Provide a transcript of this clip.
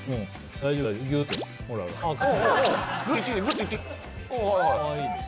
大丈夫です！